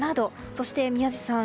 そして宮司さん